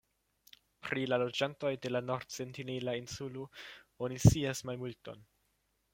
Pri la loĝantoj de la Nord-Sentinela Insulo oni scias malmulton.